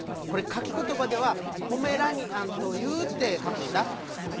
これかきことばでは「ポメラニアンという」ってかくんだ。